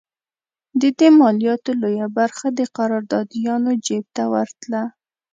د دې مالیاتو لویه برخه د قراردادیانو جېب ته ورتله.